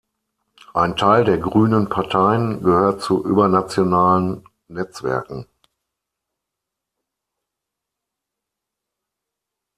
Ein Teil der grünen Parteien gehört zu übernationalen Netzwerken.